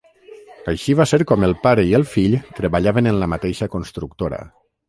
Així va ser com el pare i el fill treballaven en la mateixa constructora.